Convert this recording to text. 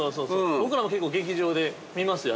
僕らも結構、劇場で見ますよ。